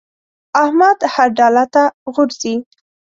احمد هر ډاله ته غورځي.